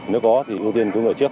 nếu có thì ưu tiên cứu người trước